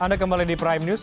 anda kembali di prime news